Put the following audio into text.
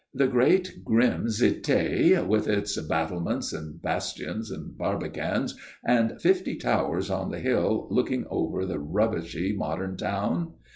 The great grim cité, with its battlements and bastions and barbicans and fifty towers on the hill looking over the rubbishy modern town?